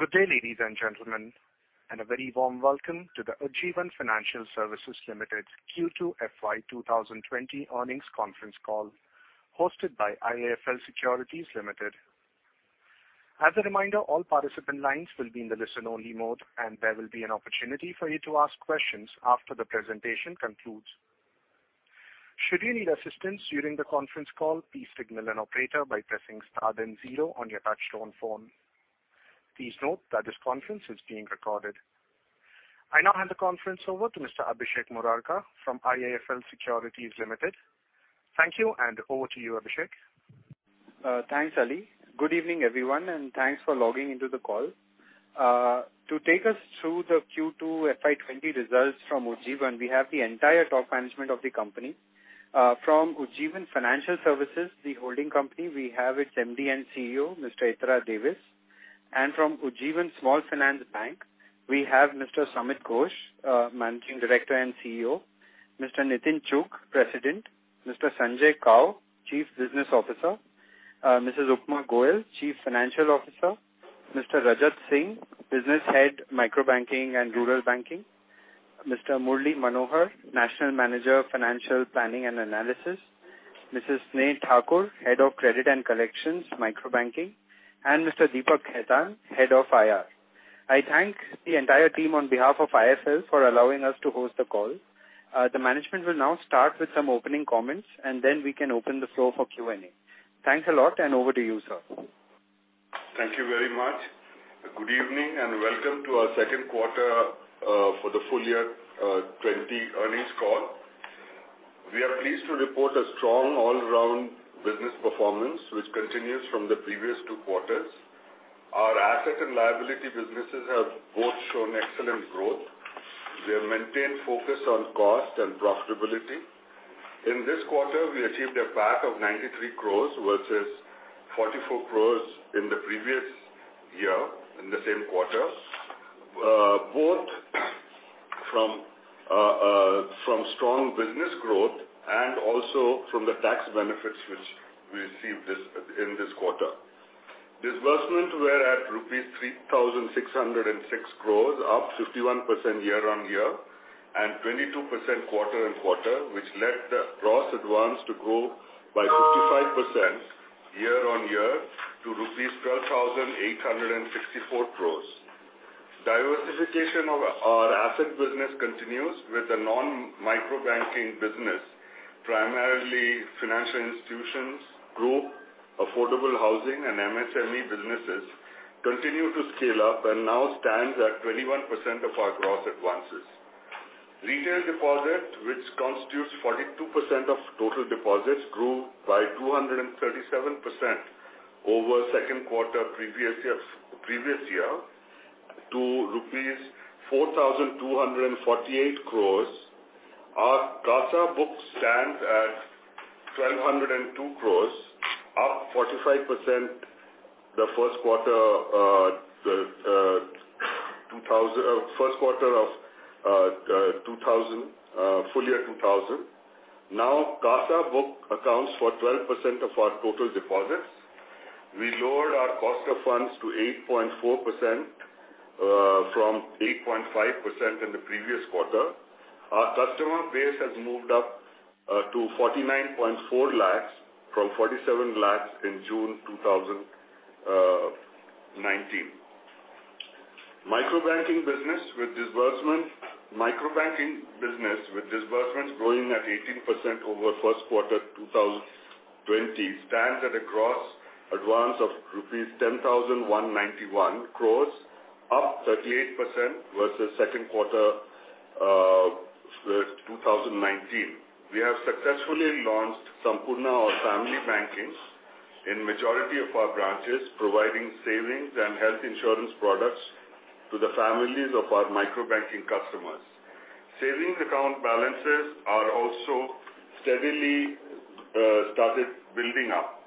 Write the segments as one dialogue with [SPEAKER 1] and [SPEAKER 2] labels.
[SPEAKER 1] Good day, ladies and gentlemen, and a very warm welcome to the Ujjivan Financial Services Limited Q2 FY 2020 earnings conference call hosted by IIFL Securities Limited. As a reminder, all participant lines will be in the listen-only mode, and there will be an opportunity for you to ask questions after the presentation concludes. Should you need assistance during the conference call, please signal an operator by pressing star then zero on your touchtone phone. Please note that this conference is being recorded. I now hand the conference over to Mr. Abhishek Murarka from IIFL Securities Limited. Thank you, and over to you, Abhishek.
[SPEAKER 2] Thanks, Ali. Good evening, everyone, and thanks for logging into the call. To take us through the Q2 FY 2020 results from Ujjivan, we have the entire top management of the company. From Ujjivan Financial Services, the holding company, we have its MD and CEO, Mr. Ittira Davis. From Ujjivan Small Finance Bank, we have Mr. Samit Ghosh, Managing Director and CEO, Mr. Nitin Chugh, President, Mr. Sanjay Kao, Chief Business Officer, Mrs. Upma Goel, Chief Financial Officer, Mr. Rajat Singh, Business Head, Micro Banking and Rural Banking, Mr. Murli Manohar, National Manager, Financial Planning and Analysis, Mrs. Sneh Thakur, Head of Credit and Collections, Micro Banking, and Mr. Deepak Khetan, Head of IR. I thank the entire team on behalf of IIFL for allowing us to host the call. The management will now start with some opening comments, and then we can open the floor for Q&A. Thanks a lot, and over to you, sir.
[SPEAKER 3] Thank you very much. Good evening, and welcome to our Q2 for the full year 2020 earnings call. We are pleased to report a strong all-round business performance which continues from the previous two quarters. Our asset and liability businesses have both shown excellent growth. We have maintained focus on cost and profitability. In this quarter, we achieved a PAT of 93 crores versus 44 crores in the previous year, in the same quarter, both from strong business growth and also from the tax benefits which we received in this quarter. Disbursements were at rupees 3,606 crores, up 51% year-on-year and 22% quarter-on-quarter, which led the gross advance to grow by 55% year-on-year to rupees 12,864 crores. Diversification of our asset business continues with the non-micro banking business, primarily Financial Institutions Group, affordable housing and MSME businesses continue to scale up and now stands at 21% of our gross advances. Retail deposit, which constitutes 42% of total deposits, grew by 237% over Q2 previous year to rupees 4,248 crores. Our CASA book stands at 1,202 crores, up 45% over the Q1 of FY 2020. Now, CASA book accounts for 12% of our total deposits. We lowered our cost of funds to 8.4%, from 8.5% in the previous quarter. Our customer base has moved up to 49.4 lakhs from 47 lakhs in June 2019. Micro banking business with disbursements growing at 18% over Q1 2020 stands at a gross advance of rupees 10,191 crores, up 38% versus Q2 2019. We have successfully launched Sampoorna or family banking in majority of our branches, providing savings and health insurance products to the families of our micro banking customers. Savings account balances are also steadily started building up.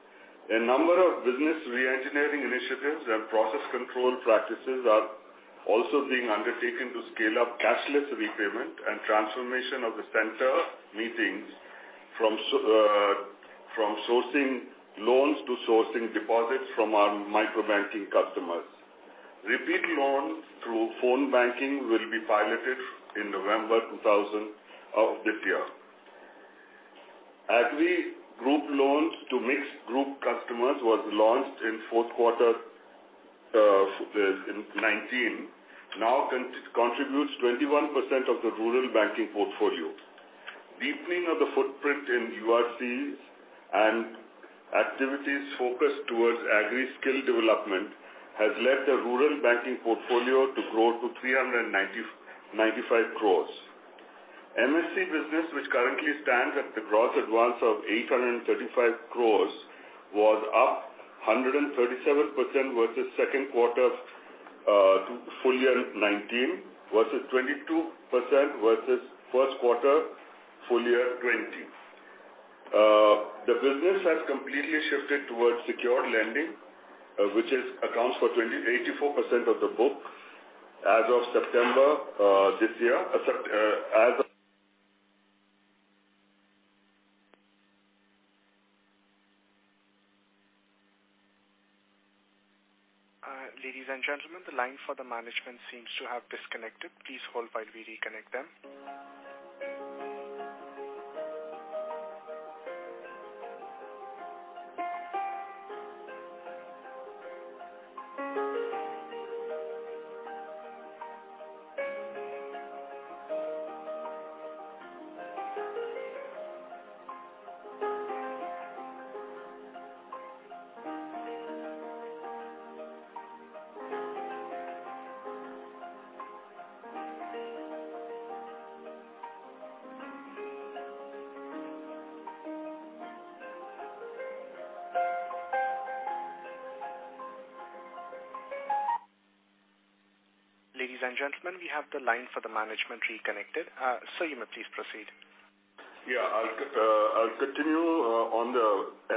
[SPEAKER 3] A number of business re-engineering initiatives and process control practices are also being undertaken to scale up cashless repayment and transformation of the center meetings from sourcing loans to sourcing deposits from our micro banking customers. Repeat loans through phone banking will be piloted in November 2020 of that year. Agri group loans to mixed group customers was launched in fourth quarter in 2019, now contributes 21% of the rural banking portfolio. Deepening of the footprint in URCs and activities focused towards agri skill development has led the rural banking portfolio to grow to 395 crore. MSE business, which currently stands at the gross advance of 835 crore, was up 137% versus Q2 full year 2019 versus 22% versus Q1 full year 2020. The business has completely shifted towards secured lending, which accounts for 84% of the book as of September this year. As of-
[SPEAKER 1] Uh, ladies and gentlemen, the line for the management seems to have disconnected. Please hold while we reconnect them. Ladies and gentlemen, we have the line for the management reconnected. Uh, sir, you may please proceed.
[SPEAKER 3] Yeah. I'll continue on the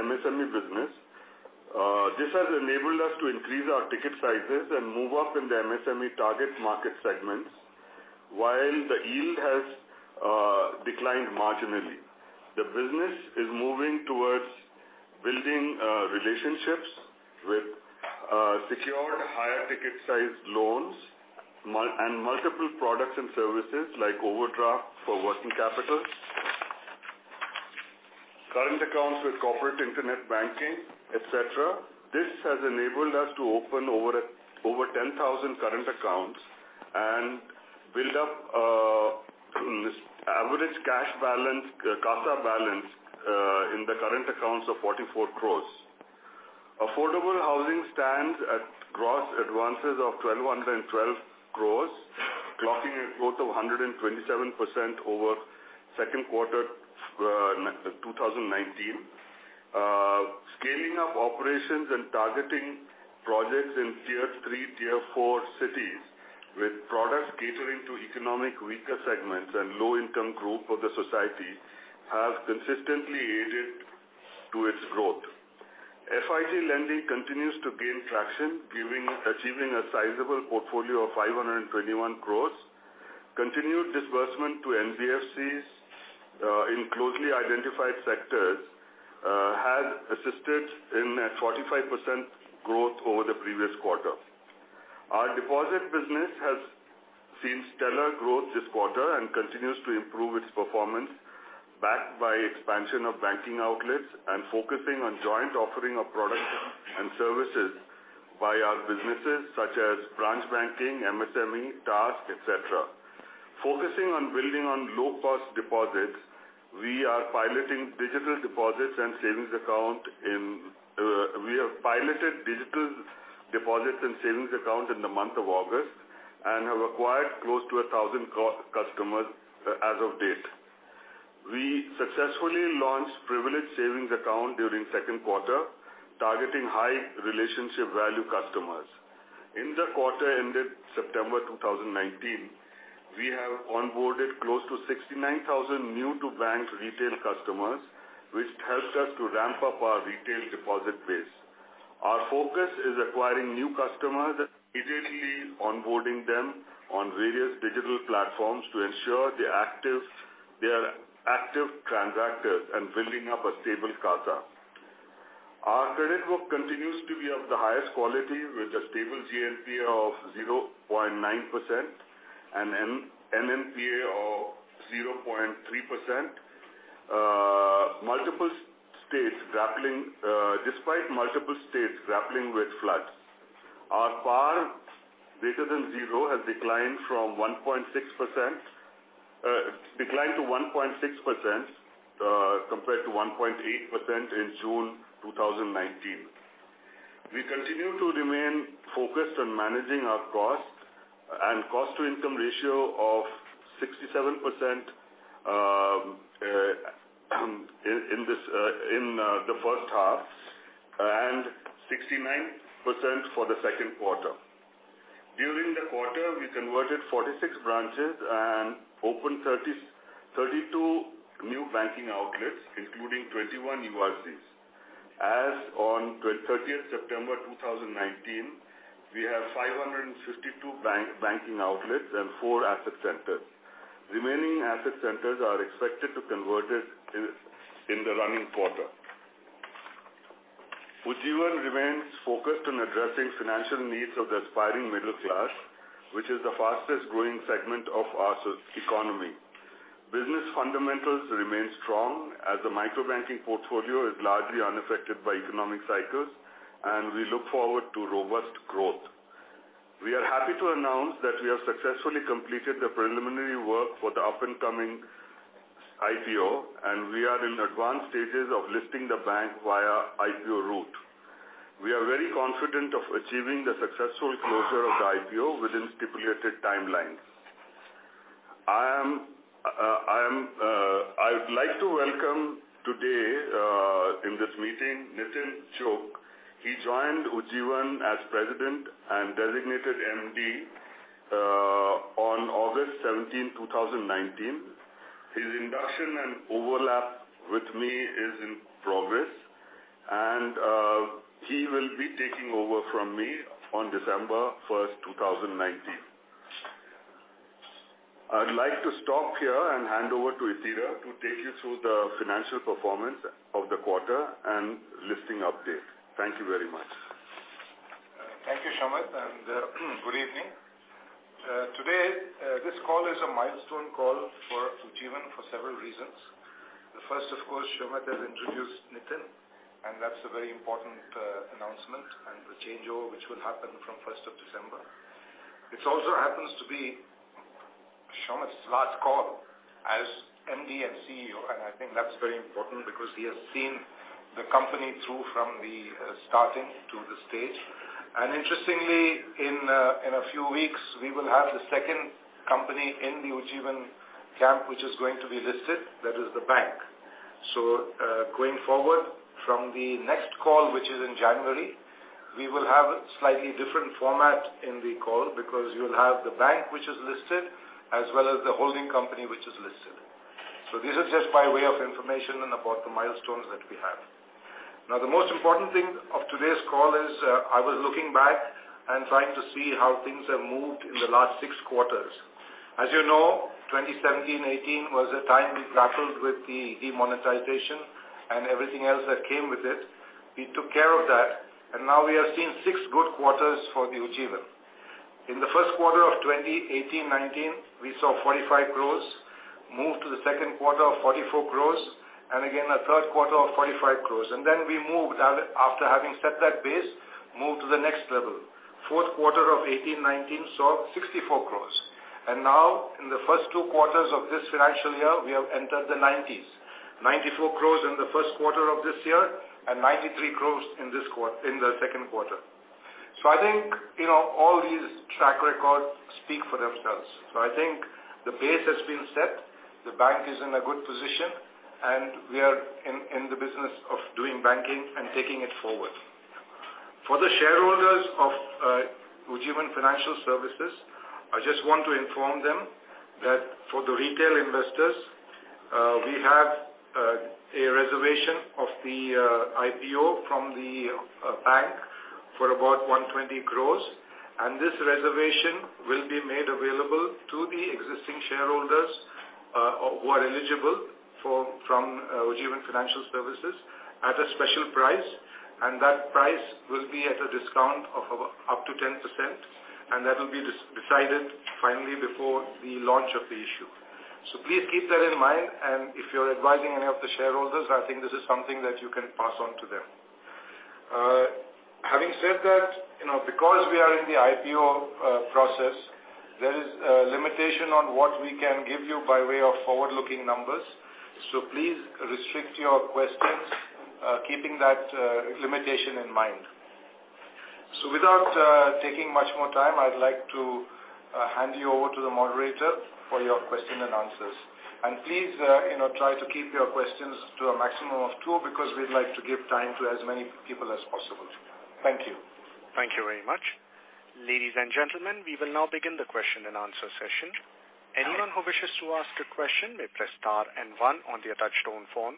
[SPEAKER 3] MSME business. This has enabled us to increase our ticket sizes and move up in the MSME target market segments, while the yield has declined marginally. The business is moving towards building relationships with secured higher ticket sized loans and multiple products and services like overdraft for working capital, current accounts with corporate internet banking, et cetera. This has enabled us to open over 10,000 current accounts and build up this average cash balance, CASA balance, in the current accounts of 44 crore. Affordable housing stands at gross advances of 1,212 crore, clocking a growth of 127% over Q2 2019. Scaling up operations and targeting projects in tier three, tier four cities with products catering to economic weaker segments and low income group of the society, have consistently aided to its growth. FIG lending continues to gain traction, achieving a sizable portfolio of 521 crore. Continued disbursement to NBFCs in closely identified sectors has assisted in a 45% growth over the previous quarter. Our deposit business has seen stellar growth this quarter and continues to improve its performance, backed by expansion of banking outlets and focusing on joint offering of products and services by our businesses such as branch banking, MSME, task, et cetera. Focusing on building on low cost deposits, we have piloted digital deposits and savings accounts in the month of August and have acquired close to 1,000 customers as of date. We successfully launched privileged savings account during Q2, targeting high relationship value customers. In the quarter ended September 2019, we have onboarded close to 69,000 new-to-bank retail customers, which helps us to ramp up our retail deposit base. Our focus is acquiring new customers, immediately onboarding them on various digital platforms to ensure they are active transactors and building up a stable CASA. Our credit book continues to be of the highest quality, with a stable GNPA of 0.9% and NNPA of 0.3%. Despite multiple states grappling with floods, our PAR greater than zero has declined to 1.6%, compared to 1.8% in June 2019. We continue to remain focused on managing our cost, and cost to income ratio of 67% in the H1, and 69% for the Q2. During the quarter, we converted 46 branches and opened 32 new banking outlets, including 21 URCs. As on 30th September 2019, we have 552 banking outlets and four asset centers. Remaining asset centers are expected to convert it in the running quarter. Ujjivan remains focused on addressing financial needs of the aspiring middle class, which is the fastest growing segment of our economy. Business fundamentals remain strong as the micro banking portfolio is largely unaffected by economic cycles, and we look forward to robust growth. We are happy to announce that we have successfully completed the preliminary work for the up and coming IPO, and we are in advanced stages of listing the bank via IPO route. We are very confident of achieving the successful closure of the IPO within stipulated timelines. I am, I would like to welcome today in this meeting, Nitin Chugh. He joined Ujjivan as President and Designated MD on August 17th, 2019. His induction and overlap with me is in progress, and he will be taking over from me on December 1, 2019. I'd like to stop here and hand over to Ittira to take you through the financial performance of the quarter and listing update. Thank you very much.
[SPEAKER 4] Thank you, Samit, and good evening. Today, this call is a milestone call for Ujjivan for several reasons. The first, of course, Samit has introduced Nitin Chugh, and that's a very important announcement and the changeover which will happen from 1st of December. This also happens to be Samit's last call as MD and CEO, and I think that's very important because he has seen the company through from the starting to this stage. Interestingly, in a few weeks, we will have the second company in the Ujjivan camp, which is going to be listed, that is the bank. Going forward from the next call, which is in January, we will have a slightly different format in the call because you'll have the bank which is listed, as well as the holding company, which is listed. This is just by way of information and about the milestones that we have. Now, the most important thing of today's call is, I was looking back and trying to see how things have moved in the last six quarters. As you know, 2017/2018 was a time we battled with the demonetization and everything else that came with it. We took care of that, and now we have seen six good quarters for the Ujjivan. In the Q1 of 2018/2019, we saw 45 crores. Moved to the Q2 of 44 crores, and again a Q3 of 45 crores. We moved, after having set that base, moved to the next level. Q4 of 2018/2019 saw 64 crores. Now in the first two quarters of this financial year, we have entered the 90s. 94 crore in the Q1 of this year and 93 crore in the Q2. I think, you know, all these track records speak for themselves. I think the base has been set. The bank is in a good position, and we are in the business of doing banking and taking it forward. For the shareholders of Ujjivan Financial Services, I just want to inform them that for the retail investors, we have a reservation of the IPO from the bank for about 120 crore, and this reservation will be made available to the existing shareholders who are eligible from Ujjivan Financial Services at a special price, and that price will be at a discount of up to 10%, and that will be decided finally before the launch of the issue. Please keep that in mind, and if you're advising any of the shareholders, I think this is something that you can pass on to them. Having said that, you know, because we are in the IPO process, there is a limitation on what we can give you by way of forward-looking numbers. Please restrict your questions, keeping that limitation in mind. Without taking much more time, I'd like to hand you over to the moderator for your question and answers. Please, you know, try to keep your questions to a maximum of two because we'd like to give time to as many people as possible. Thank you.
[SPEAKER 1] Thank you very much. Ladies and gentlemen, we will now begin the question and answer session. Anyone who wishes to ask a question may press star and one on the touchtone phone.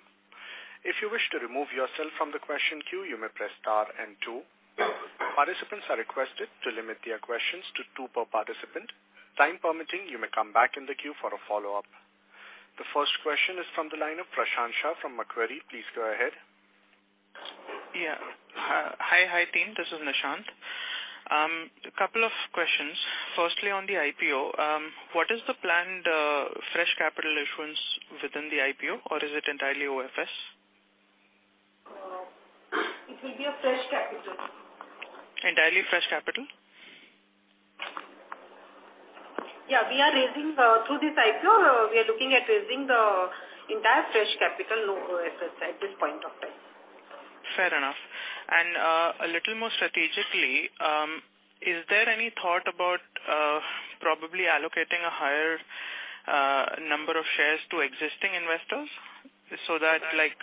[SPEAKER 1] If you wish to remove yourself from the question queue, you may press star and two. Participants are requested to limit their questions to two per participant. Time permitting, you may come back in the queue for a follow-up. The first question is from the line of Nishant Shah from Macquarie. Please go ahead.
[SPEAKER 5] Yeah. Hi. Hi, team. This is Nishant. A couple of questions. Firstly, on the IPO, what is the planned fresh capital issuance within the IPO, or is it entirely OFS?
[SPEAKER 6] It will be a fresh capital.
[SPEAKER 5] Entirely fresh capital?
[SPEAKER 6] Yeah. We are raising through this IPO, we are looking at raising the entire fresh capital at this point of time.
[SPEAKER 5] Fair enough. A little more strategically, is there any thought about probably allocating a higher number of shares to existing investors so that, like,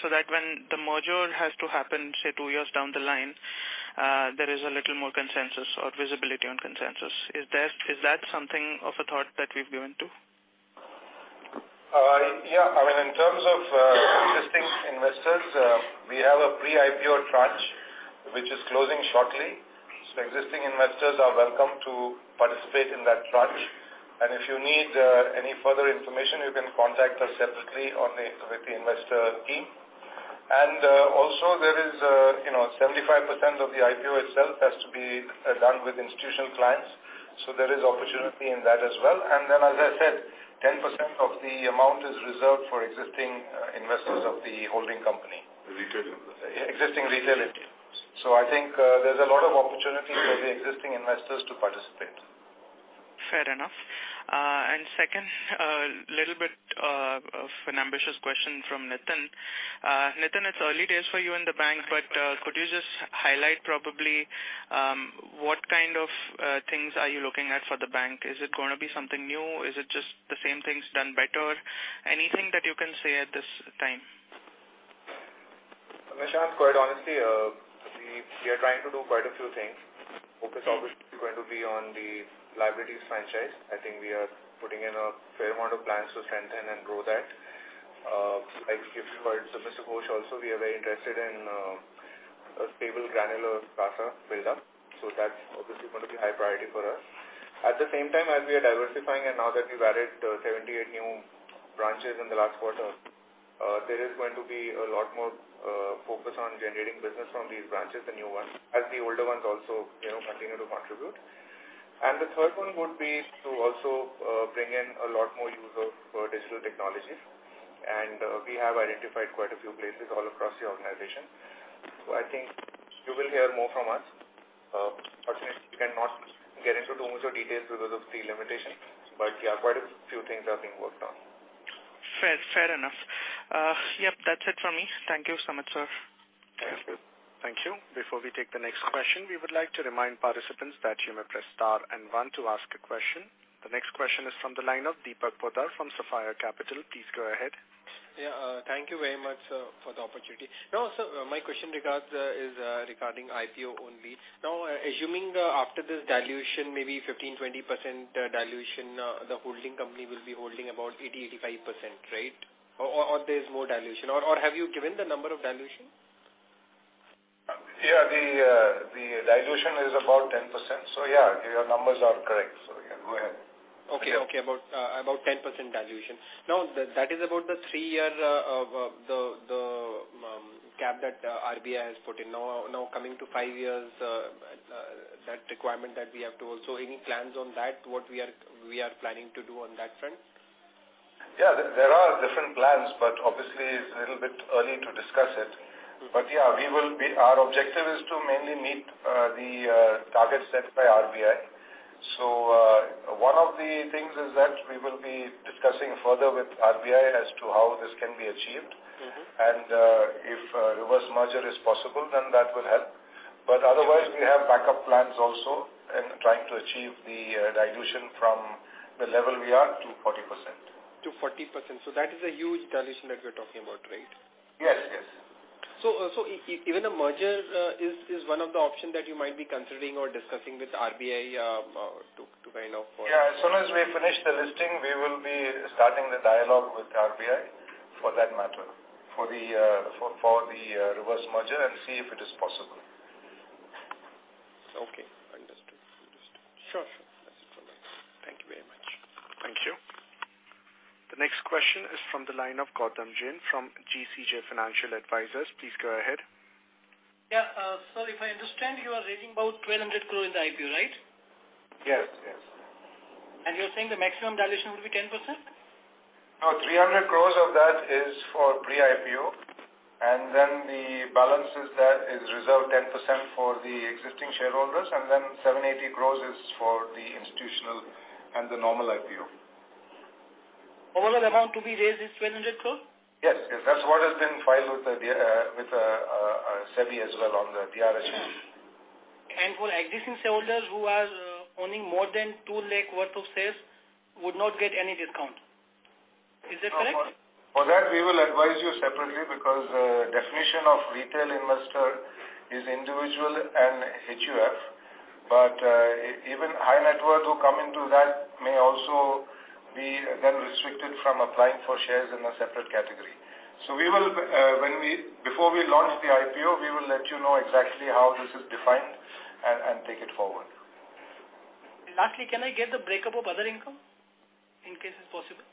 [SPEAKER 5] so that when the merger has to happen, say two years down the line, there is a little more consensus or visibility on consensus? Is that something of a thought that we've given to?
[SPEAKER 4] Yeah. I mean, in terms of existing investors, we have a pre-IPO tranche which is closing shortly. Existing investors are welcome to participate in that tranche. If you need any further information, you can contact us separately with the investor team. Also there is, you know, 75% of the IPO itself has to be done with institutional clients. There is opportunity in that as well. As I said, 10% of the amount is reserved for existing investors of the holding company.
[SPEAKER 3] Retail investors.
[SPEAKER 4] Existing retail investors. I think, there's a lot of opportunity for the existing investors to participate.
[SPEAKER 5] Fair enough. Second, little bit of an ambitious question from Nitin. Nitin, it's early days for you in the bank, but could you just highlight probably what kind of things are you looking at for the bank? Is it gonna be something new? Is it just the same things done better? Anything that you can say at this time?
[SPEAKER 7] Nishant, quite honestly, we are trying to do quite a few things. Focus obviously is going to be on the liabilities franchise. I think we are putting in a fair amount of plans to strengthen and grow that. Like you've heard from Mr. Ghosh also, we are very interested in a stable granular build up. That's obviously going to be high priority for us. At the same time, as we are diversifying and now that we've added 78 new branches in the last quarter, there is going to be a lot more focus on generating business from these branches, the new ones, as the older ones also, you know, continue to contribute. The third one would be to also bring in a lot more use of digital technologies. We have identified quite a few places all across the organization. I think you will hear more from us. Unfortunately, we cannot get into too much of details because of the limitation, but yeah, quite a few things are being worked on.
[SPEAKER 5] Fair, fair enough. Yep, that's it from me. Thank you so much, sir.
[SPEAKER 4] Thank you.
[SPEAKER 1] Thank you. Before we take the next question, we would like to remind participants that you may press star and one to ask a question. The next question is from the line of Deepak Poddar from Sapphire Capital. Please go ahead.
[SPEAKER 8] Yeah. Thank you very much, sir, for the opportunity. My question is regarding IPO only. Now, assuming after this dilution, maybe 15%, 20% dilution, the holding company will be holding about 80%, 85%, right? Or there's more dilution? Or have you given the number of dilution?
[SPEAKER 4] Yeah, the dilution is about 10%. Yeah, your numbers are correct. Yeah, go ahead.
[SPEAKER 8] Okay. About 10% dilution. Now, that is about the three-year cap that RBI has put in. Now coming to five years, that requirement that we have to also. Any plans on that? What we are planning to do on that front?
[SPEAKER 4] Yeah, there are different plans, but obviously it's a little bit early to discuss it. Yeah, we will be. Our objective is to mainly meet the targets set by RBI. One of the things is that we will be discussing further with RBI as to how this can be achieved.
[SPEAKER 8] Mm-hmm.
[SPEAKER 4] If a reverse merger is possible, then that will help. Otherwise, we have backup plans also in trying to achieve the dilution from the level we are to 40%.
[SPEAKER 8] To 40%. That is a huge dilution that we're talking about, right?
[SPEAKER 4] Yes. Yes.
[SPEAKER 8] Even a merger is one of the option that you might be considering or discussing with RBI to kind of
[SPEAKER 4] Yeah, as soon as we finish the listing, we will be starting the dialogue with RBI for that matter, for the reverse merger and see if it is possible.
[SPEAKER 8] Okay. Understood. Sure. That's it from us. Thank you very much.
[SPEAKER 1] Thank you. The next question is from the line of Gautam Jain from GCJ Financial Advisors. Please go ahead.
[SPEAKER 9] Yeah. Sir, if I understand, you are raising about 1,200 crore in the IPO, right?
[SPEAKER 4] Yes. Yes.
[SPEAKER 9] You're saying the maximum dilution will be 10%?
[SPEAKER 4] No, 300 crore of that is for pre-IPO. The balance is reserved 10% for the existing shareholders, and then 780 crore is for the institutional and the normal IPO.
[SPEAKER 9] Overall amount to be raised is 1,200 crore?
[SPEAKER 4] Yes. That's what has been filed with SEBI as well on the DRHP.
[SPEAKER 9] For existing shareholders who are owning more than 2 lakh worth of shares would not get any discount. Is that correct?
[SPEAKER 4] For that, we will advise you separately because definition of retail investor is individual and HUF. Even high net worth who come into that may also be then restricted from applying for shares in a separate category. We will, before we launch the IPO, we will let you know exactly how this is defined and take it forward.
[SPEAKER 9] Lastly, can I get the break-up of other income in case it's possible?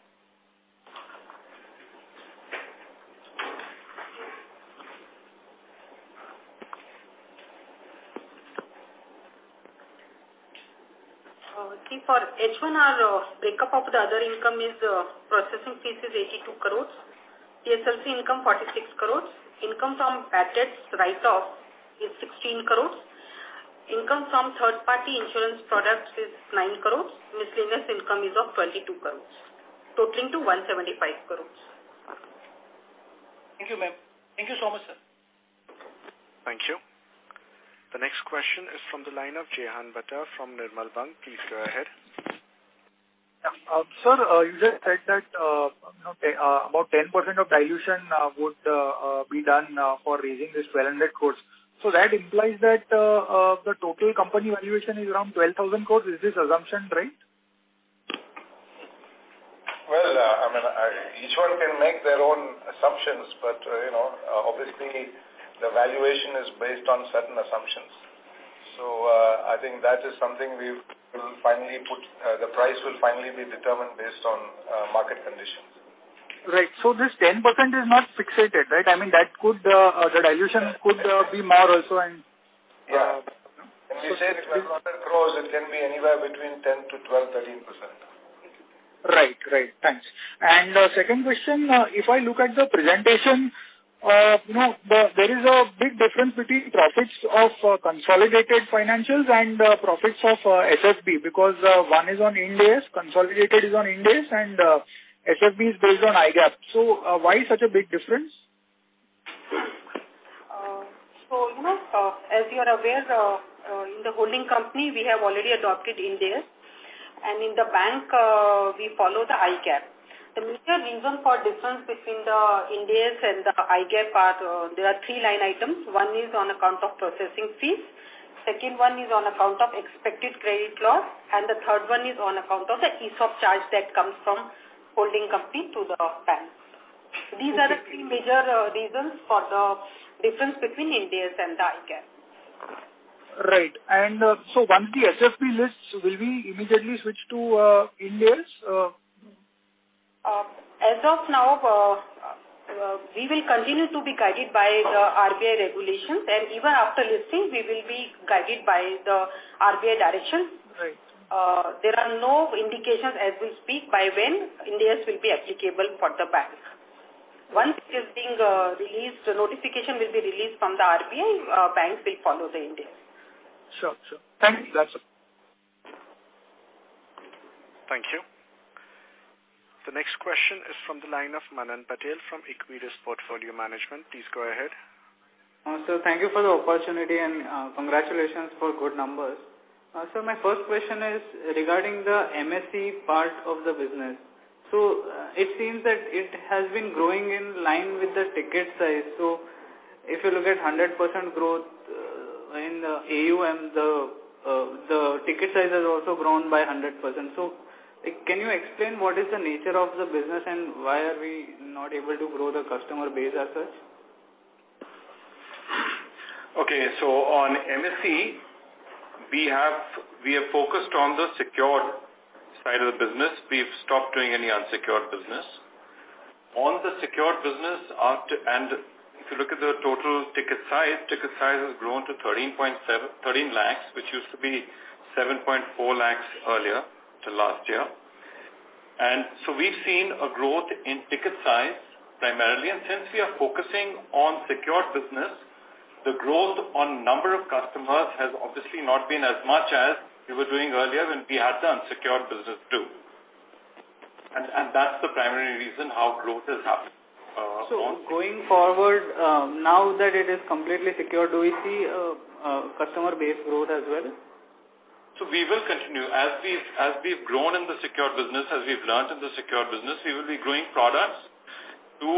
[SPEAKER 6] See for H1, our break-up of the other income is processing fees, 82 crores, PSLC income, 46 crores, income from bad debts write-off, 16 crores, income from third-party insurance products, 9 crores, miscellaneous income of 22 crores, totaling to 175 crores.
[SPEAKER 9] Thank you, ma'am. Thank you so much, sir.
[SPEAKER 1] Thank you. The next question is from the line of Jehan Bhadha from Nirmal Bang. Please go ahead.
[SPEAKER 10] Yeah. Sir, you just said that, you know, about 10% of dilution would be done for raising this 1,200 crores. That implies that the total company valuation is around 12,000 crores. Is this assumption right?
[SPEAKER 4] Well, I mean, each one can make their own assumptions, but, you know, obviously the valuation is based on certain assumptions. I think that is something we will finally put, the price will finally be determined based on market conditions.
[SPEAKER 10] Right. This 10% is not fixated, right? I mean, the dilution could be more also and-
[SPEAKER 4] Yeah. We said it was INR 100 crore. It can be anywhere between 10%-13%.
[SPEAKER 10] Right. Thanks. Second question, if I look at the presentation, there is a big difference between profits of consolidated financials and profits of SFB because one is on Ind AS, consolidated is on Ind AS, and SFB is based on IGAAP. Why such a big difference?
[SPEAKER 6] You know, as you are aware, in the holding company, we have already adopted Ind AS. In the bank, we follow the IGAAP. The major reason for difference between the Ind AS and the IGAAP are there are three line items. One is on account of processing fees. Second one is on account of expected credit loss, and the third one is on account of the ESOP charge that comes from holding company to the bank.
[SPEAKER 10] Okay.
[SPEAKER 6] These are the three major reasons for the difference between Ind AS and the IGAAP.
[SPEAKER 10] Right. Once the SFB lists, will we immediately switch to Ind AS?
[SPEAKER 6] As of now, we will continue to be guided by the RBI regulations, and even after listing, we will be guided by the RBI directions.
[SPEAKER 10] Right.
[SPEAKER 6] There are no indications as we speak by when Ind AS will be applicable for the bank. Once it is released, a notification will be released from the RBI. Banks will follow the Ind AS.
[SPEAKER 10] Sure, sure.
[SPEAKER 6] Thank you.
[SPEAKER 10] That's all.
[SPEAKER 1] Thank you. The next question is from the line of Manan Patel from Equirus Portfolio Management. Please go ahead.
[SPEAKER 11] Sir, thank you for the opportunity and congratulations for good numbers. My first question is regarding the MSE part of the business. It seems that it has been growing in line with the ticket size. If you look at 100% growth in AUM, the ticket size has also grown by 100%. Like, can you explain what is the nature of the business and why are we not able to grow the customer base as such?
[SPEAKER 3] Okay. On MSE, we are focused on the secured side of the business. We've stopped doing any unsecured business. On the secured business, if you look at the total ticket size, ticket size has grown to 13 lakh, which used to be 7.4 lakh earlier to last year. We've seen a growth in ticket size primarily. Since we are focusing on secured business, the growth on number of customers has obviously not been as much as we were doing earlier when we had the unsecured business, too. That's the primary reason how growth has happened on
[SPEAKER 11] Going forward, now that it is completely secured, do we see customer base growth as well?
[SPEAKER 3] We will continue. As we've grown in the secured business, as we've learned in the secured business, we will be growing products to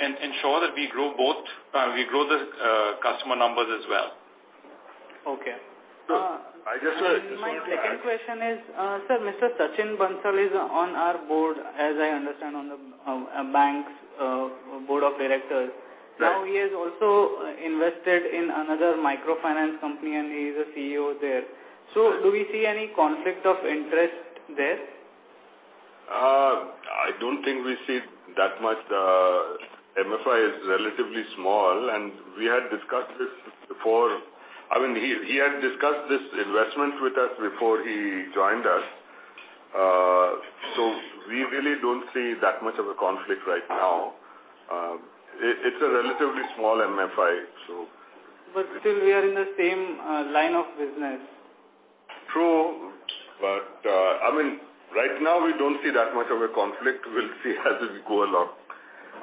[SPEAKER 3] ensure that we grow both the customer numbers as well.
[SPEAKER 11] Okay.
[SPEAKER 3] I just wanted to add.
[SPEAKER 11] My second question is, sir, Mr. Sachin Bansal is on our board, as I understand, on the bank's board of directors.
[SPEAKER 3] Right.
[SPEAKER 11] Now, he has also invested in another microfinance company and he's a CEO there. Do we see any conflict of interest there?
[SPEAKER 4] I don't think we see that much. MFI is relatively small, and we had discussed this before. I mean, he had discussed this investment with us before he joined us. We really don't see that much of a conflict right now. It's a relatively small MFI, so.
[SPEAKER 11] Still we are in the same line of business.
[SPEAKER 4] True. I mean, right now we don't see that much of a conflict. We'll see as we go along.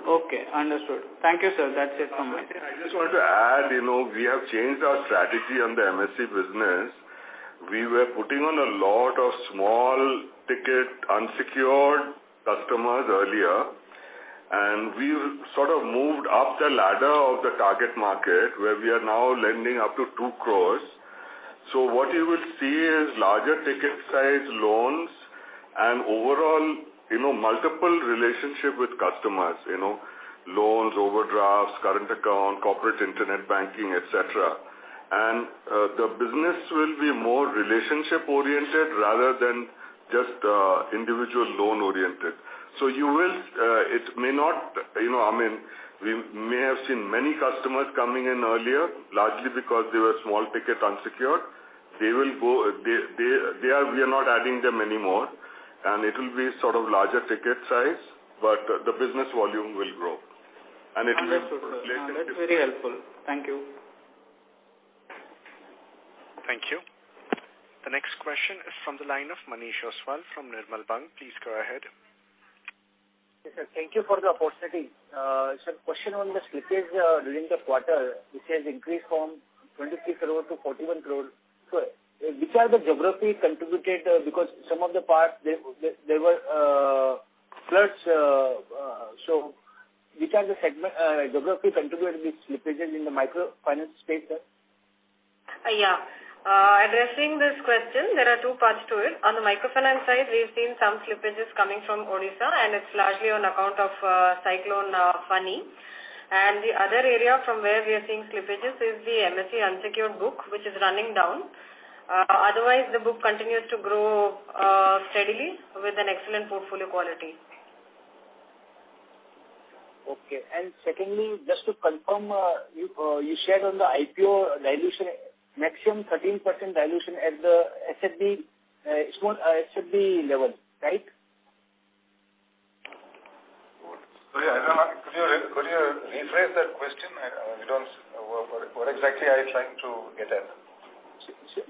[SPEAKER 11] Okay. Understood. Thank you, sir. That's it from my end.
[SPEAKER 4] I just wanted to add, you know, we have changed our strategy on the MSE business. We were putting on a lot of small ticket unsecured customers earlier, and we've sort of moved up the ladder of the target market where we are now lending up to 2 crore. What you will see is larger ticket size loans and overall, you know, multiple relationship with customers, you know, loans, overdrafts, current account, corporate internet banking, et cetera. The business will be more relationship-oriented rather than just individual loan-oriented. You will, it may not, you know, I mean, we may have seen many customers coming in earlier, largely because they were small ticket unsecured. We are not adding them anymore, and it will be sort of larger ticket size, but the business volume will grow. It will be.
[SPEAKER 11] Understood, sir. No, that's very helpful. Thank you.
[SPEAKER 1] Thank you. The next question is from the line of Manish Ostwal from Nirmal Bang. Please go ahead.
[SPEAKER 12] Yes, sir. Thank you for the opportunity. Question on the slippage during the quarter, which has increased from 26 crore to 41 crore. Which are the geography contributed, because some of the parts they were floods, which are the segment, geography contributed this slippage in the microfinance space, sir?
[SPEAKER 6] Yeah. Addressing this question, there are two parts to it. On the microfinance side, we've seen some slippages coming from Odisha, and it's largely on account of Cyclone Fani. The other area from where we are seeing slippages is the MSE unsecured book, which is running down. Otherwise, the book continues to grow steadily with an excellent portfolio quality.
[SPEAKER 12] Okay. Secondly, just to confirm, you shared on the IPO dilution, maximum 13% dilution at the SFB, small SFB level, right?
[SPEAKER 4] Sorry, could you rephrase that question? What exactly are you trying to get at?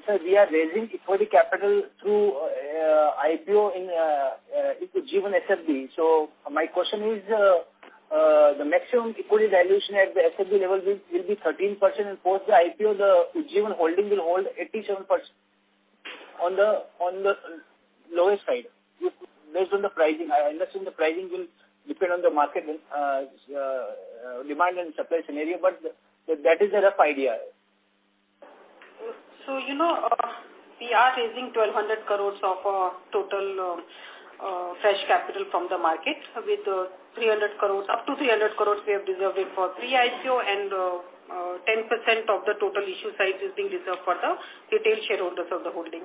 [SPEAKER 12] Sir, we are raising equity capital through IPO in Ujjivan SFB. My question is, the maximum equity dilution at the SFB level will be 13% and post the IPO, the Ujjivan holding will hold 87%. On the lowest side, based on the pricing. I understand the pricing will depend on the market, demand and supply scenario, but that is a rough idea.
[SPEAKER 6] You know, we are raising 1,200 crore of total fresh capital from the market with 300 crore. Up to 300 crore we have reserved it for pre-IPO and 10% of the total issue size is being reserved for the retail shareholders of the holding.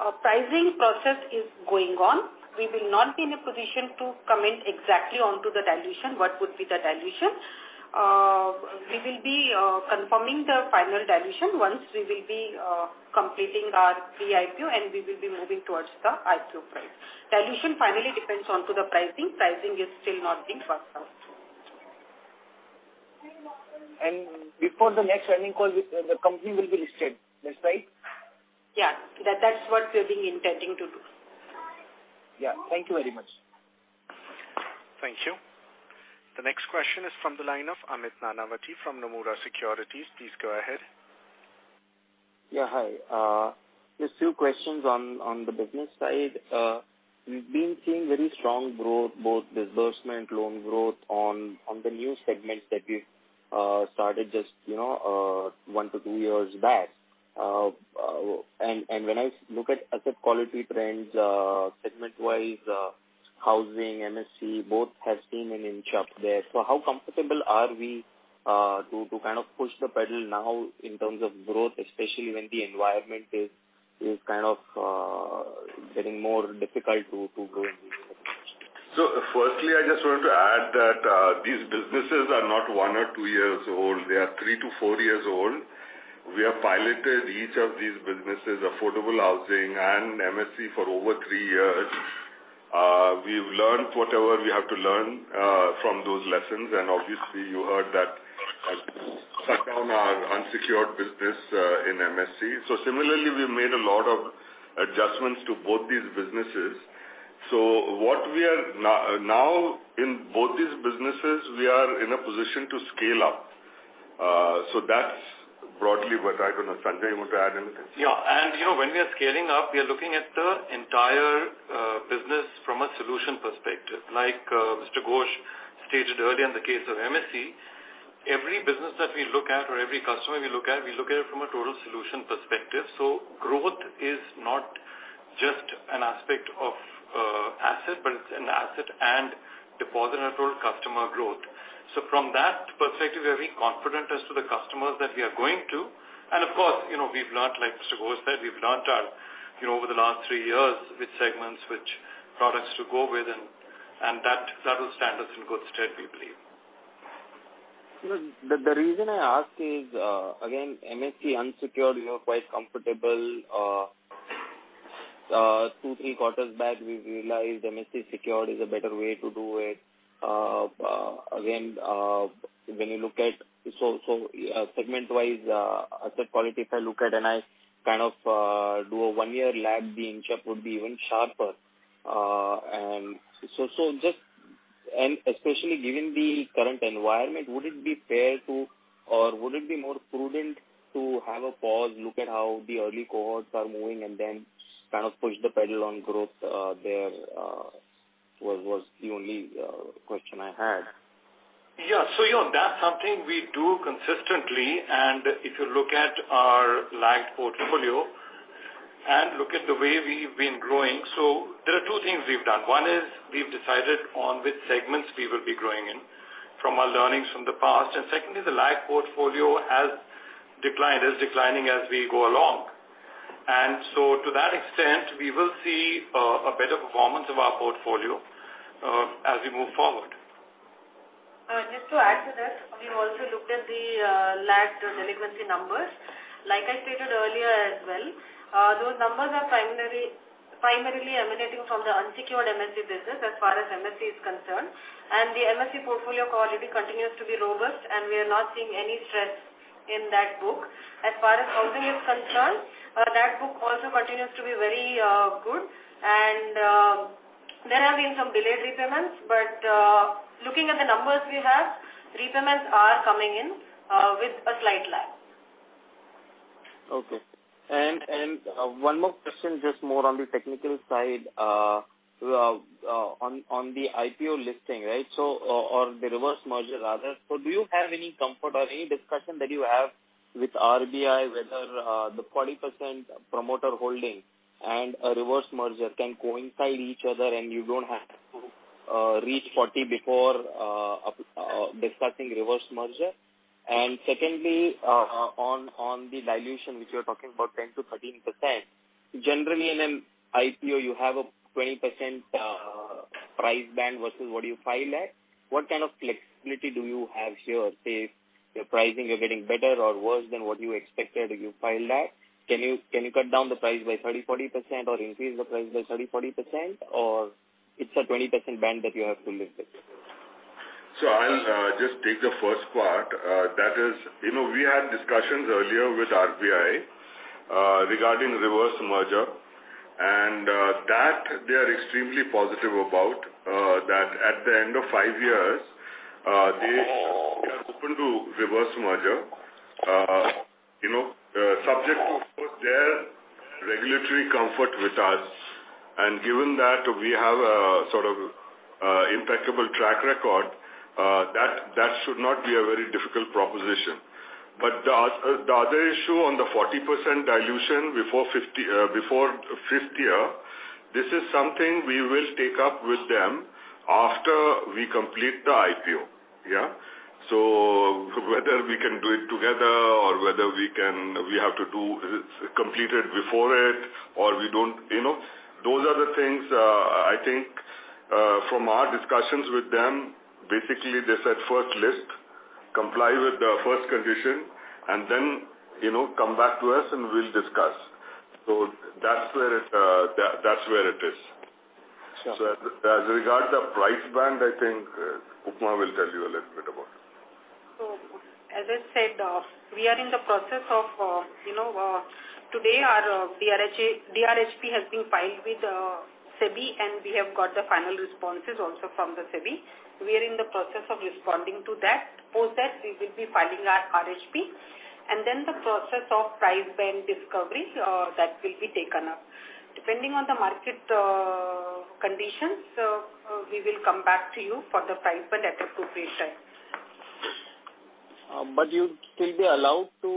[SPEAKER 6] Our pricing process is going on. We will not be in a position to comment exactly on the dilution, what would be the dilution. We will be confirming the final dilution once we will be completing our pre-IPO and we will be moving towards the IPO price. Dilution finally depends on the pricing. Pricing is still not being worked out.
[SPEAKER 12] Before the next earnings call with the company will be listed, that's right?
[SPEAKER 6] Yeah. That's what we've been intending to do.
[SPEAKER 12] Yeah. Thank you very much.
[SPEAKER 1] Thank you. The next question is from the line of Amit Nanavati from Nomura Securities. Please go ahead.
[SPEAKER 13] Yeah, hi. Just two questions on the business side. We've been seeing very strong growth, both disbursement, loan growth on the new segments that we've started just one to two years back. When I look at asset quality trends segment-wise, housing, MSE both has seen an inch up there. How comfortable are we to kind of push the pedal now in terms of growth, especially when the environment is kind of getting more difficult to grow in?
[SPEAKER 3] Firstly, I just wanted to add that, these businesses are not one or two years old. They are three to four years old. We have piloted each of these businesses, affordable housing and MSE for over three years. We've learnt whatever we have to learn from those lessons, and obviously you heard that cut down our unsecured business in MSE. Similarly, we've made a lot of adjustments to both these businesses. What we are now in both these businesses we are in a position to scale up. That's broadly what I don't know. Sanjay, you want to add anything?
[SPEAKER 14] You know, when we are scaling up, we are looking at the entire business from a solution perspective. Like, Mr. Ghosh stated earlier in the case of MSE, every business that we look at or every customer we look at, we look at it from a total solution perspective. Growth is not just an aspect of asset, but it's an asset and deposit and a total customer growth. From that perspective, we are very confident as to the customers that we are going to. Of course, you know, we've learnt, like Mr. Ghosh said, over the last three years which segments, which products to go with and that will stand us in good stead, we believe.
[SPEAKER 13] The reason I ask is, again, MSE unsecured, you are quite comfortable. two, three quarters back we realized MSE secured is a better way to do it. Again, when you look at segment-wise asset quality, if I look at and I kind of do a one-year lag, the inch up would be even sharper. Especially given the current environment, would it be fair to or would it be more prudent to have a pause, look at how the early cohorts are moving and then kind of push the pedal on growth there? That was the only question I had.
[SPEAKER 14] Yeah. You know, that's something we do consistently and if you look at our lagged portfolio and look at the way we've been growing. There are two things we've done. One is we've decided on which segments we will be growing in from our learnings from the past. And secondly, the lagged portfolio has declined, is declining as we go along. To that extent, we will see a better performance of our portfolio as we move forward.
[SPEAKER 6] Just to add to that, we've also looked at the lagged delinquency numbers. Like I stated earlier as well, those numbers are primarily emanating from the unsecured MSE business as far as MSE is concerned. The MSE portfolio quality continues to be robust and we are not seeing any stress in that book. As far as housing is concerned, that book also continues to be very good and there have been some delayed repayments but looking at the numbers we have, repayments are coming in with a slight lag.
[SPEAKER 13] Okay. One more question, just more on the technical side. On the IPO listing, right? Or the reverse merger rather. Do you have any comfort or any discussion that you have with RBI whether the 40% promoter holding and a reverse merger can coincide each other and you don't have to reach 40% before discussing reverse merger? Secondly, on the dilution which you're talking about 10%-13%. Generally in an IPO you have a 20% price band versus what you file at. What kind of flexibility do you have here? Say if your pricing is getting better or worse than what you expected, you file that. Can you cut down the price by 30%-40% or increase the price by 30%-40% or it's a 20% band that you have to live with?
[SPEAKER 3] I'll just take the first part. That is, you know, we had discussions earlier with RBI regarding reverse merger. That they are extremely positive about that at the end of five years, they're open to reverse merger. You know, subject to their regulatory comfort with us, and given that we have a sort of impeccable track record, that should not be a very difficult proposition. The other issue on the 40% dilution before fifth year, this is something we will take up with them after we complete the IPO. Yeah. Whether we can do it together or whether we have to complete it before it or we don't, you know. Those are the things, I think, from our discussions with them, basically they said first list, comply with the first condition and then, you know, come back to us and we'll discuss. That's where it is.
[SPEAKER 13] Sure.
[SPEAKER 3] As regards the price band, I think, Upma will tell you a little bit about it.
[SPEAKER 6] As I said, we are in the process of today our DRHP has been filed with SEBI, and we have got the final responses also from the SEBI. We are in the process of responding to that. Post that we will be filing our RHP. Then the process of price band discovery that will be taken up. Depending on the market conditions, we will come back to you for the price band at an appropriate time.
[SPEAKER 13] Will you still be allowed to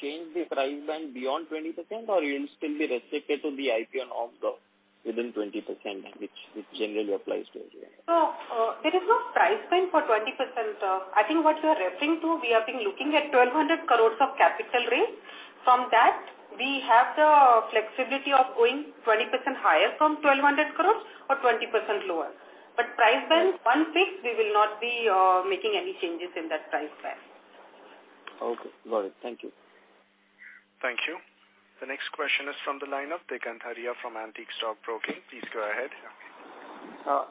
[SPEAKER 13] change the price band beyond 20% or you'll still be restricted to the IPO and OFS within 20%, which generally applies to?
[SPEAKER 6] No, there is no price band for 20%. I think what you are referring to, we have been looking at 1,200 crores of capital raise. From that, we have the flexibility of going 20% higher from 1,200 crores or 20% lower. Price band. Once fixed, we will not be making any changes in that price band.
[SPEAKER 13] Okay. Got it. Thank you.
[SPEAKER 1] Thank you. The next question is from the line of Dekan Tharia from Antique Stock Broking. Please go ahead.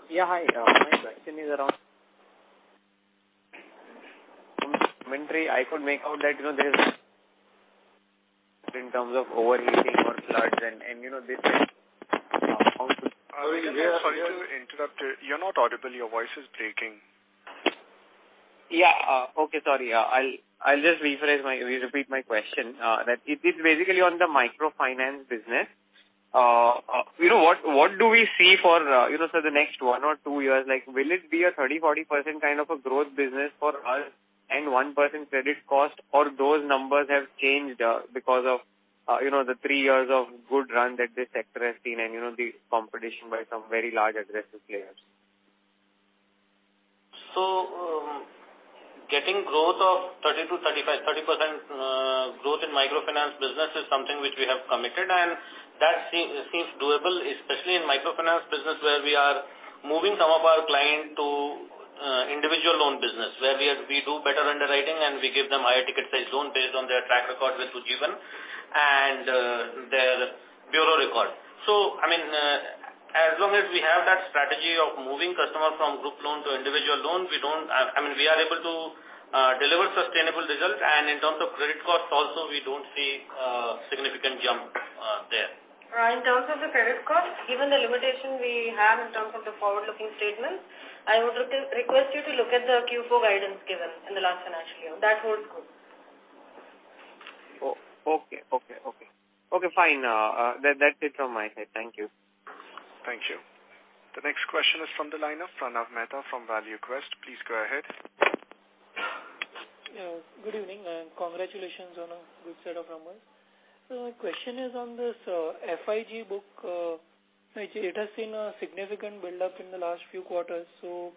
[SPEAKER 15] Yeah. Hi. My question is around. I could make out that, you know, there's in terms of overheating or large and, you know, this.
[SPEAKER 1] Sorry to interrupt you. You're not audible. Your voice is breaking.
[SPEAKER 15] Okay. Sorry. I'll just repeat my question. It's basically on the microfinance business. You know, what do we see for, you know, the next one or two years? Like, will it be a 30%-40% kind of a growth business for us and 1% credit cost or those numbers have changed, because of, you know, the three years of good run that this sector has seen and, you know, the competition by some very large aggressive players.
[SPEAKER 4] Getting 30%-35% growth in microfinance business is something which we have committed and that seems doable, especially in microfinance business where we are moving some of our client to individual loan business, where we do better underwriting and we give them higher ticket size loan based on their track record with Sugam and their bureau record. I mean, as long as we have that strategy of moving customer from group loan to individual loan, we are able to deliver sustainable results. In terms of credit cost also, we don't see significant jump there.
[SPEAKER 6] In terms of the credit cost, given the limitation we have in terms of the forward-looking statements, I would re-request you to look at the Q4 guidance given in the last financial year. That holds good.
[SPEAKER 15] Okay, fine. That's it from my side. Thank you.
[SPEAKER 1] Thank you. The next question is from the line of Pranav Mehta from ValueQuest. Please go ahead.
[SPEAKER 16] Yeah. Good evening and congratulations on a good set of numbers. My question is on this, FIG book, which it has seen a significant build-up in the last few quarters. You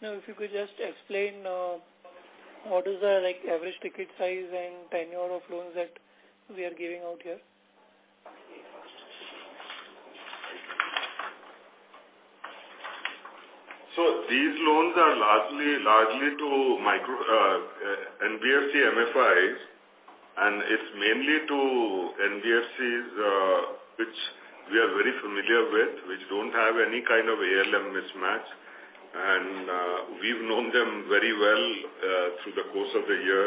[SPEAKER 16] know, if you could just explain what is the, like, average ticket size and tenure of loans that we are giving out here?
[SPEAKER 3] These loans are largely to micro NBFC-MFIs, and it's mainly to NBFCs, which we are very familiar with, which don't have any kind of ALM mismatch. We've known them very well through the course of the year.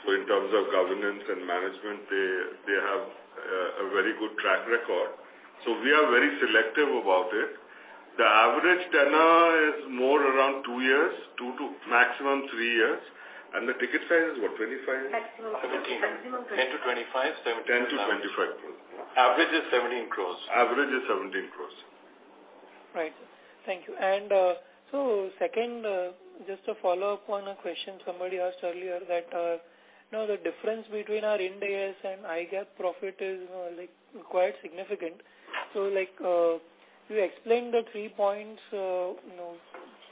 [SPEAKER 3] In terms of governance and management, they have a very good track record. We are very selective about it. The average tenure is more around two years, two to maximum three years. The ticket size is what? 25?
[SPEAKER 6] Maximum 10-25.
[SPEAKER 4] 10 to 25. Average is 17 crores.
[SPEAKER 3] Average is 17 crore.
[SPEAKER 16] Right. Thank you. So second, just to follow up on a question somebody asked earlier that, you know, the difference between our Ind AS and IGAAP profit is, you know, like, quite significant. Like, you explained the three points, you know,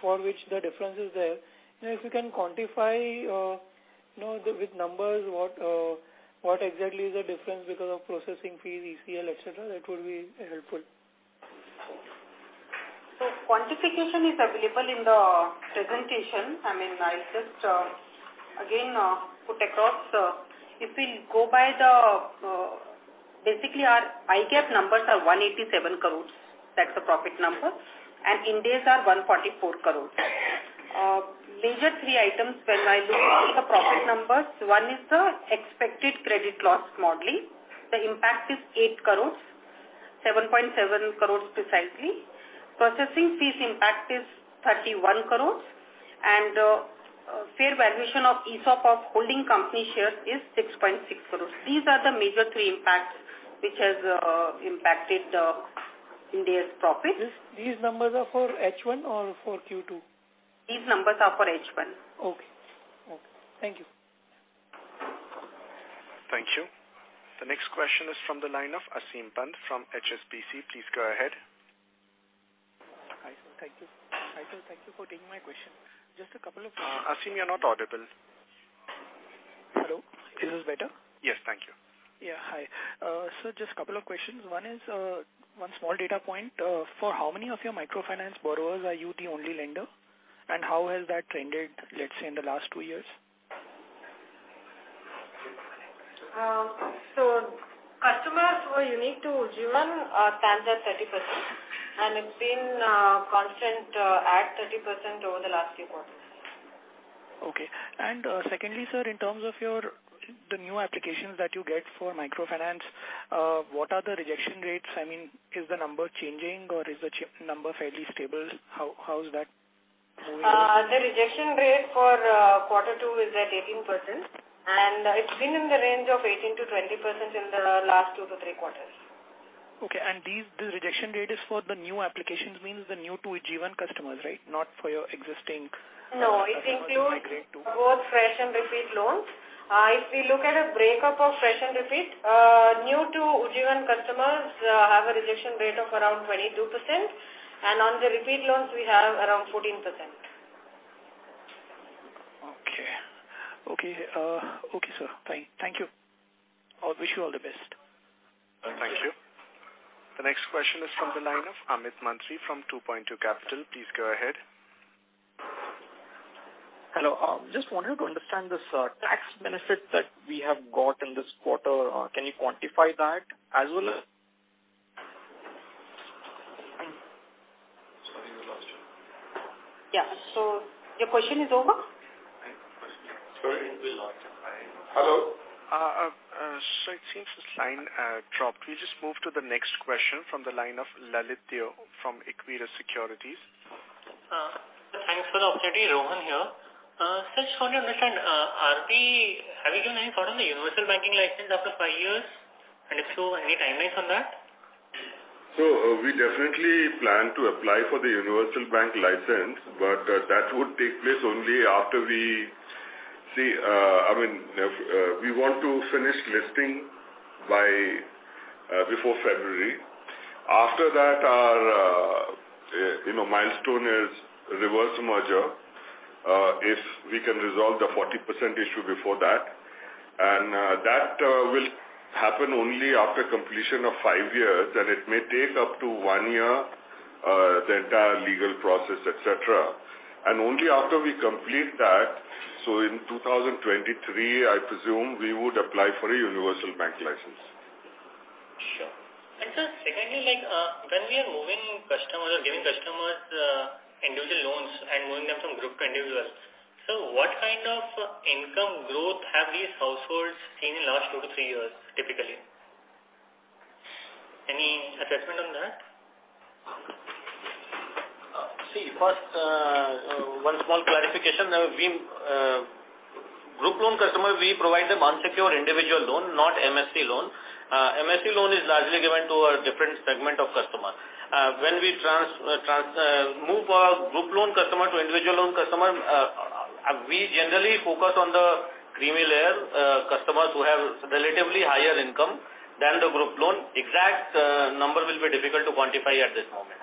[SPEAKER 16] for which the difference is there. You know, if you can quantify, you know, the, with numbers, what exactly is the difference because of processing fee, ECL, et cetera, that would be helpful.
[SPEAKER 6] Quantification is available in the presentation. I mean, I'll just again put across. If we go by the book, basically our IGAAP numbers are 187 crores. That's the profit number. Ind AS are 144 crore. Major three items when I look at the profit numbers, one is the expected credit loss modeling. The impact is 8 crore, 7.7 crore precisely. Processing fees impact is 31 crore and fair valuation of ESOP of holding company shares is 6.6 crore. These are the major three impacts which has impacted the Ind AS profits.
[SPEAKER 16] These numbers are for H1 or for Q2?
[SPEAKER 6] These numbers are for H1.
[SPEAKER 16] Okay. Okay. Thank you.
[SPEAKER 1] Thank you. The next question is from the line of Aseem Pant from HSBC. Please go ahead.
[SPEAKER 17] Hi, sir. Thank you for taking my question. Just a couple of
[SPEAKER 1] Aseem, you're not audible.
[SPEAKER 17] Hello. Is this better?
[SPEAKER 1] Yes, thank you.
[SPEAKER 17] Yeah. Hi. So just a couple of questions. One is, one small data point. For how many of your microfinance borrowers are you the only lender, and how has that trended, let's say, in the last two years?
[SPEAKER 6] Customers who are unique to Ujjivan stands at 30%, and it's been constant at 30% over the last few quarters.
[SPEAKER 17] Okay. Secondly, sir, in terms of your, the new applications that you get for microfinance, what are the rejection rates? I mean, is the number changing or is the number fairly stable? How is that doing?
[SPEAKER 6] The rejection rate for Q2 is at 18%, and it's been in the range of 18%-20% in the last two to three quarters.
[SPEAKER 17] Okay. These, the rejection rate is for the new applications, means the new to Ujjivan customers, right? Not for your existing-
[SPEAKER 6] No, it includes both fresh and repeat loans. If we look at a breakup of fresh and repeat, new to Ujjivan customers have a rejection rate of around 22%. On the repeat loans, we have around 14%.
[SPEAKER 17] Okay, sir. Fine. Thank you. I wish you all the best.
[SPEAKER 1] Thank you. The next question is from the line of Amit Mantri from 2Point2 Capital. Please go ahead.
[SPEAKER 18] Hello. Just wanted to understand this tax benefit that we have got in this quarter. Can you quantify that as well as?
[SPEAKER 1] Sorry, we lost you.
[SPEAKER 6] Yeah. Your question is over?
[SPEAKER 1] Sorry, we lost you.
[SPEAKER 3] Hello?
[SPEAKER 1] So it seems his line dropped. We just move to the next question from the line of Lalit Deo from Equirus Securities.
[SPEAKER 19] Thanks for the opportunity. Rohan here. Sir, just want to understand, have you given any thought on the universal banking license after five years? If so, any timelines on that?
[SPEAKER 3] We definitely plan to apply for the universal bank license, but that would take place only after. I mean, we want to finish listing by before February. After that, our you know milestone is reverse merger if we can resolve the 40% issue before that. That will happen only after completion of five years, and it may take up to one year the entire legal process, et cetera. Only after we complete that, in 2023, I presume, we would apply for a universal bank license.
[SPEAKER 19] Sure. Sir, secondly, like, when we are moving customers or giving customers, individual loans and moving them from group to individual, so what kind of income growth have these households seen in the last two to three years, typically? Any assessment on that?
[SPEAKER 4] One small clarification. We provide group loan customers unsecured individual loan, not MSE loan. MSE loan is largely given to a different segment of customer. When we transition a group loan customer to individual loan customer, we generally focus on the creamy layer, customers who have relatively higher income than the group loan. Exact number will be difficult to quantify at this moment.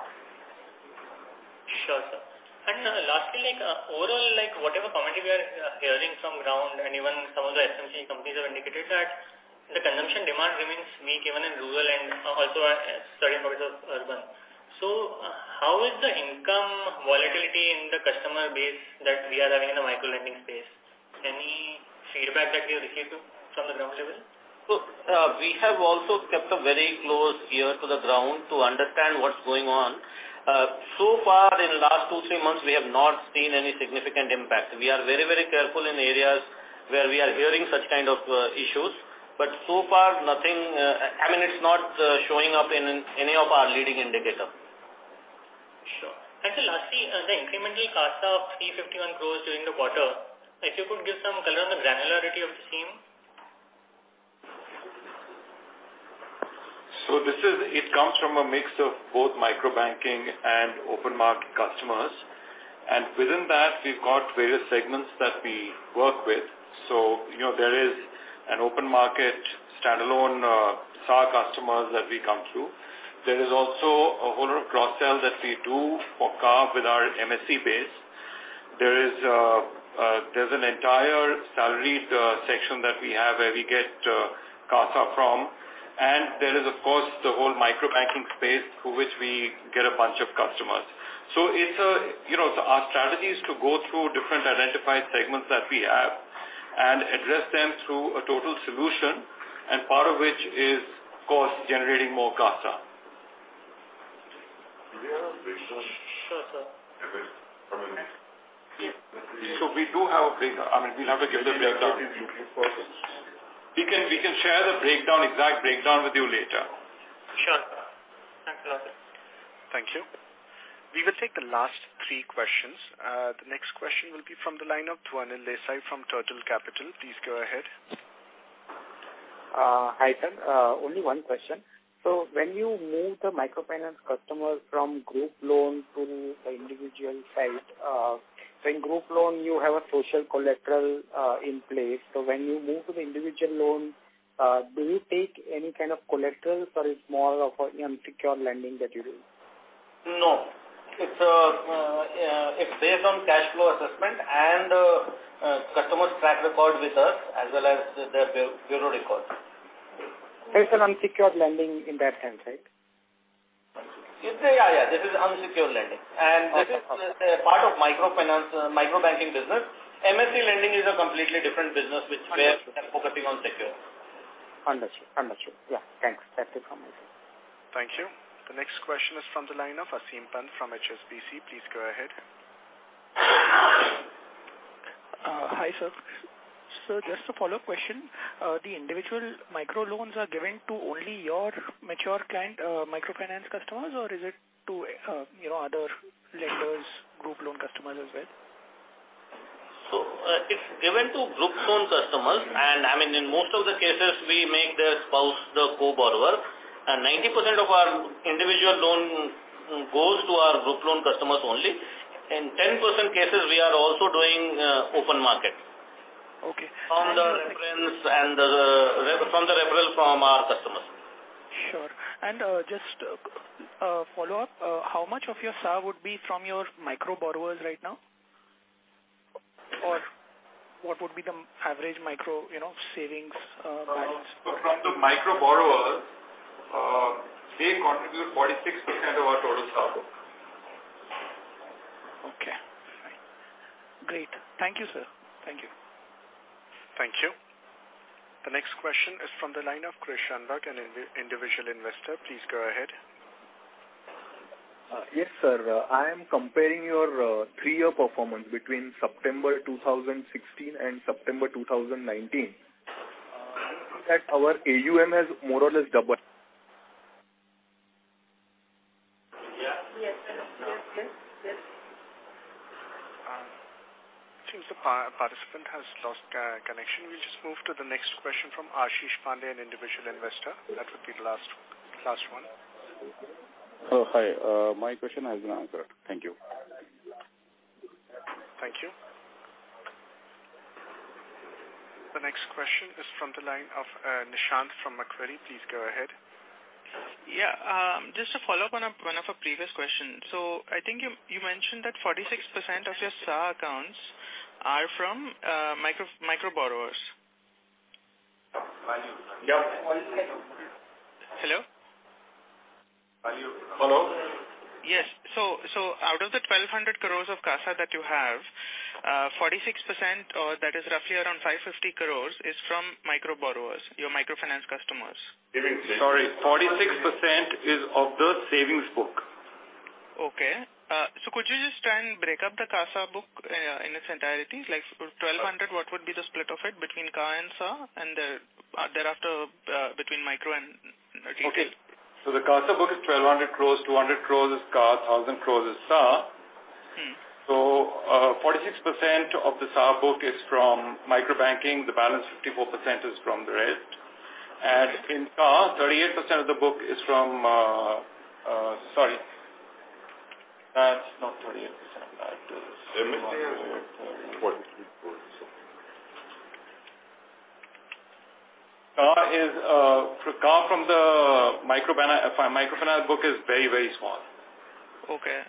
[SPEAKER 19] Sure, sir. Lastly, like, overall, like, whatever comment we are hearing from ground and even some of the FMCG companies have indicated that the consumption demand remains weak even in rural and also a certain parts of urban. So how is the income volatility in the customer base that we are having in the micro-lending space? Any feedback that you're receiving from the ground level?
[SPEAKER 4] Look, we have also kept a very close ear to the ground to understand what's going on. So far in the last two, three months, we have not seen any significant impact. We are very careful in areas where we are hearing such kind of issues. So far, nothing. I mean, it's not showing up in any of our leading indicator.
[SPEAKER 19] Sure. Sir, lastly, the incremental CASA of 351 crore during the quarter, if you could give some color on the granularity of the same?
[SPEAKER 3] It comes from a mix of both micro-banking and open market customers. Within that, we've got various segments that we work with. You know, there is an open market standalone SA customers that we come through. There is also a whole lot of cross-sell that we do for CA with our MSE base. There is an entire salaried section that we have where we get CASA from. There is, of course, the whole micro-banking space through which we get a bunch of customers. It's a, you know, our strategy is to go through different identified segments that we have. Address them through a total solution, part of which is by generating more CASA.
[SPEAKER 19] Sure, sir.
[SPEAKER 4] We do have a breakdown. I mean, we'll have to give the breakdown. We can share the breakdown, exact breakdown with you later.
[SPEAKER 19] Sure. Thanks a lot.
[SPEAKER 1] Thank you. We will take the last three questions. The next question will be from the line of Dhwanil Desai from Turtle Capital. Please go ahead.
[SPEAKER 20] Hi, sir. Only one question. When you move the microfinance customer from group loan to the individual side, in group loan you have a social collateral in place. When you move to the individual loan, do you take any kind of collaterals or it's more of an unsecured lending that you do?
[SPEAKER 4] No. It's based on cash flow assessment and customer's track record with us as well as their bureau records.
[SPEAKER 15] It's an unsecured lending in that sense, right?
[SPEAKER 4] Yes. Yeah, yeah. This is unsecured lending.
[SPEAKER 20] Okay.
[SPEAKER 4] This is a part of microfinance, microbanking business. MSE lending is a completely different business which we are focusing on secure.
[SPEAKER 20] Understood. Yeah. Thanks. That's it from my side.
[SPEAKER 1] Thank you. The next question is from the line of Aseem Pant from HSBC. Please go ahead.
[SPEAKER 17] Hi, sir. Just a follow question. The individual micro loans are given to only your mature client, microfinance customers or is it to, you know, other lenders, group loan customers as well?
[SPEAKER 4] It's given to group loan customers and, I mean, in most of the cases we make their spouse the co-borrower and 90% of our individual loan goes to our group loan customers only. In 10% cases we are also doing open market.
[SPEAKER 8] Okay.
[SPEAKER 4] From the reference and the referral from our customers.
[SPEAKER 17] Sure. Just a follow-up. How much of your SA would be from your micro borrowers right now? Or what would be the average micro, you know, savings balance?
[SPEAKER 3] From the micro borrowers, they contribute 46% of our total SA book.
[SPEAKER 17] Okay. Great. Thank you, sir. Thank you.
[SPEAKER 1] Thank you. The next question is from the line of Krishnadut, an individual investor. Please go ahead.
[SPEAKER 21] Yes, sir. I am comparing your three-year performance between September 2016 and September 2019. Our AUM has more or less doubled.
[SPEAKER 6] Yes.
[SPEAKER 22] Yes.
[SPEAKER 1] It seems the participant has lost connection. We'll just move to the next question from Ashish Pandey, an individual investor. That would be the last one.
[SPEAKER 23] Oh, hi. My question has been answered. Thank you.
[SPEAKER 1] Thank you. The next question is from the line of, Nishant from Macquarie. Please go ahead.
[SPEAKER 5] Yeah. Just to follow up on one of our previous questions. I think you mentioned that 46% of your SA accounts are from micro borrowers.
[SPEAKER 3] Yes.
[SPEAKER 5] Hello?
[SPEAKER 3] Hello?
[SPEAKER 5] Yes. Out of the 1,200 crores of CASA that you have, 46% or that is roughly around 550 crores is from micro borrowers, your microfinance customers.
[SPEAKER 3] Sorry. 46% is of the savings book.
[SPEAKER 5] Could you just try and break up the CASA book in its entirety? Like 1,200, what would be the split of it between CA and SA and the thereafter between micro and retail?
[SPEAKER 3] The CASA book is 1,200 crores. 200 crores is CA, 1,000 crores is SA.
[SPEAKER 5] Mm-hmm.
[SPEAKER 3] 46% of the SA book is from microbanking. The balance 54% is from the rest. It's not 38%. CA from the microfinance book is very small.
[SPEAKER 5] Okay.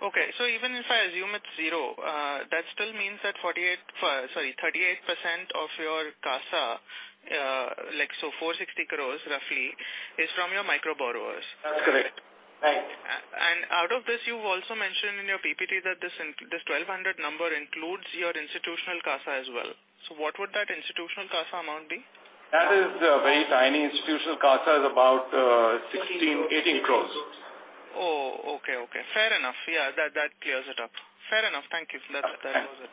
[SPEAKER 5] Even if I assume it's zero, that still means that 38% of your CASA, like so 460 crores roughly is from your micro borrowers.
[SPEAKER 3] That's correct. Right.
[SPEAKER 5] Out of this you've also mentioned in your PPT that this 1,200 number includes your institutional CASA as well. What would that institutional CASA amount be?
[SPEAKER 4] That is very tiny. Institutional CASA is about 16-18 crores.
[SPEAKER 5] Oh, okay. Fair enough. Yeah. That clears it up. Fair enough. Thank you. That was it.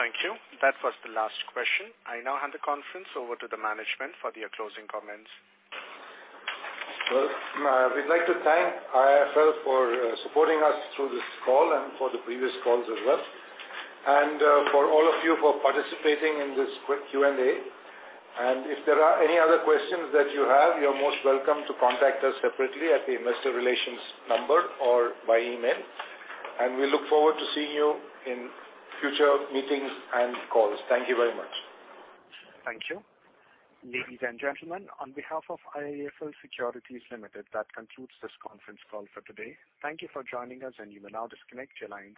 [SPEAKER 1] Thank you. That was the last question. I now hand the conference over to the management for their closing comments.
[SPEAKER 3] Well, we'd like to thank IIFL for supporting us through this call and for the previous calls as well, and all of you for participating in this quick Q&A. If there are any other questions that you have, you're most welcome to contact us separately at the investor relations number or by email. We look forward to seeing you in future meetings and calls. Thank you very much.
[SPEAKER 1] Thank you. Ladies and gentlemen, on behalf of IIFL Securities Limited, that concludes this conference call for today. Thank you for joining us, and you may now disconnect your lines.